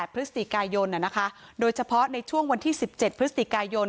พฤศจิกายนโดยเฉพาะในช่วงวันที่๑๗พฤศจิกายน